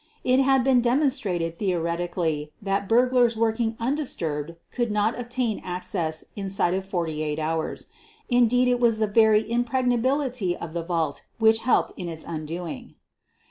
It had been demonstrated theoretic ally that burglars working undisturbed could not obtain access inside of forty eight hours. Indeed, it was the very impregnability of the vault which helped in its undoing.